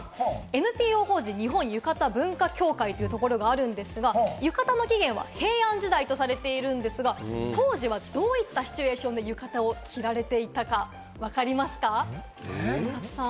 ＮＰＯ法人日本ゆかた文化協会というところがあるんですが、浴衣の起源は平安時代とされているんですが、当時はどういったシチュエーションで浴衣を着られていたかわかりますか？